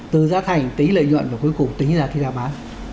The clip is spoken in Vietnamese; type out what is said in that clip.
từ giá thành tính lợi nhuận và cuối cùng tính ra cái giá bán